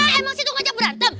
emang situ ngajak berantem